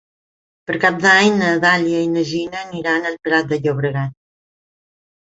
Per Cap d'Any na Dàlia i na Gina aniran al Prat de Llobregat.